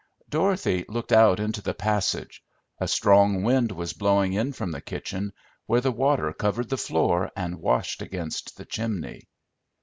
Dorothy looked out into the passage; a strong wind was blowing in from the kitchen, where the water covered the floor and washed against the chimney.